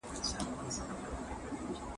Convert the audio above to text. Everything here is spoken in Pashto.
پښتو ته د خدمت لپاره هر وخت تیار اوسئ.